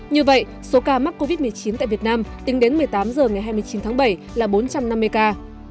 như vậy số ca mắc covid một mươi chín tại việt nam tính đến một mươi tám h ngày hai mươi chín tháng bảy là bốn trăm năm mươi ca